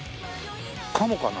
カモかな？